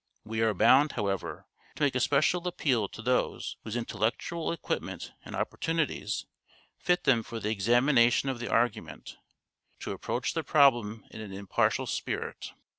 We are bound, however, to make a special appeal to those, whose intellectual equipment and opportunities fit them for the examination of the argument, to approach the problem in an impartial spirit.